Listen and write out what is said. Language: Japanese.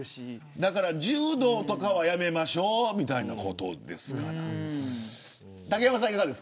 だから柔道とかはやめましょうみたいなことなんです。